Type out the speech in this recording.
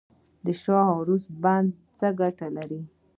د شاه و عروس بند څه ګټه لري؟